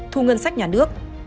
thu ngân sách nhà nước